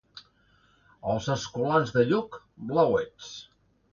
Els escolans de Lluc, blauets.